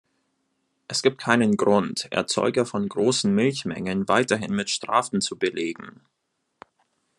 Es gibt keinen Grund, Erzeuger von großen Milchmengen weiterhin mit Strafen zu belegen.